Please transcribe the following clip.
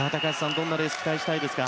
どんなレースを期待しますか。